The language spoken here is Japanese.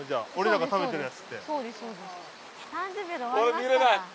見れない。